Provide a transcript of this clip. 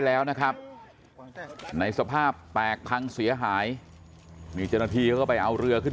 แล้วนะครับในสภาพแปลกพังเสียหายมีจนาทีเข้าไปเอาเรือขึ้น